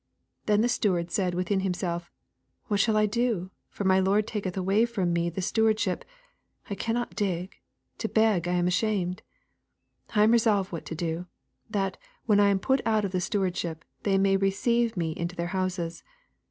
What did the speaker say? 3 Then the steward said within himself, What shdl I do ? for mv lord taketh away from me the stewaraship: 1 cannot dig ; to beg I am ashamed. 4 I am resolved what to do, that, when I am put out of the stewardship, tliey may receive me into their houses.